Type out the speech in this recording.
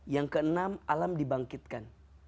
yang keenam alam dibangkitkan